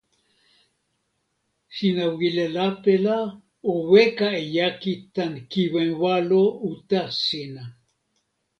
sina wile lape la o weka e jaki tan kiwen walo uta sina.